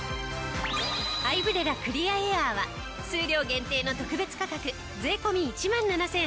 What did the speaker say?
アイブレラクリアエアーは数量限定の特別価格税込１万７８００円。